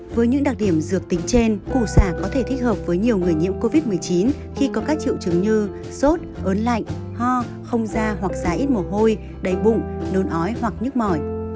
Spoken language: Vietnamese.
với những đặc điểm dược tính trên củ xà có thể thích hợp với nhiều người nhiễm covid một mươi chín khi có các triệu chứng như sốt ớn lạnh ho không da hoặc da ít mồ hôi đầy bụng nôn ói hoặc nhức mỏi